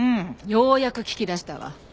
ようやく聞き出したわ。